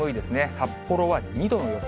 札幌は２度の予想。